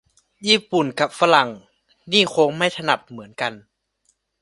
ญี่ปุ่นกะฝรั่งนี่คงถนัดไม่เหมือนกัน